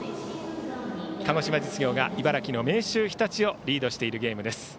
鹿児島実業が茨城の明秀日立をリードしているゲームです。